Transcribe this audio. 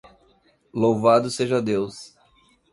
Louvado seja Deus!